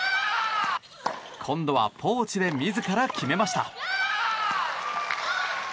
今度はポーチで自ら決めました。